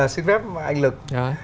xin phép anh lực